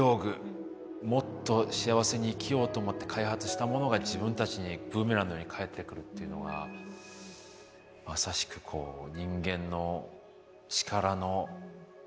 もっと幸せに生きようと思って開発したものが自分たちにブーメランのように返ってくるっていうのがまさしくこう人間の力のもろ刃の剣っていうんですかね。